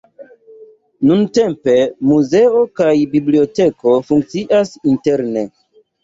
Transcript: Nuntempe muzeo kaj biblioteko funkcias interne.